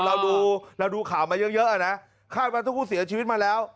เราดูเราดูข่าวมาเยอะนะคาดว่าทุกผู้เสียชีวิตมาแล้ว